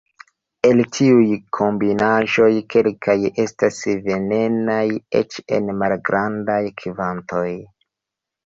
El tiuj kombinaĵoj, kelkaj estas venenaj, eĉ en malgrandaj kvantoj.